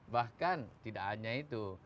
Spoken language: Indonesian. bahkan tidak hanya itu